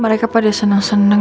mereka pada seneng seneng